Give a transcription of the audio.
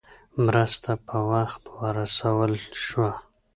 مرسته په وخت ورسول شوه.